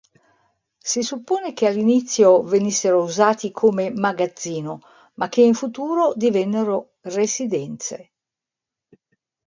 Si suppone che all'inizio venissero usati come magazzino, ma che in futuro divennero residenze.